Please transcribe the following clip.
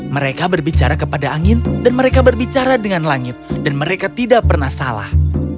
mereka berbicara kepada angin dan mereka berbicara dengan langit dan mereka tidak pernah salah